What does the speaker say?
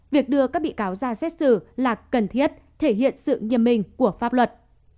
việc đưa các bị cáo ra xét xử là cần thiết thể hiện sự nghiêm minh của pháp luật